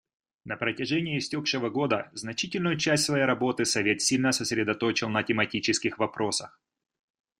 На протяжении истекшего года значительную часть своей работы Совет сильно сосредоточил на тематических вопросах.